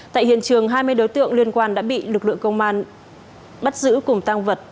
tại hiện trường hai mươi đối tượng liên quan đã bị lực lượng công an bắt giữ cùng tăng vật